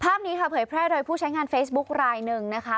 ภาพนี้ค่ะเผยแพร่โดยผู้ใช้งานเฟซบุ๊กรายหนึ่งนะคะ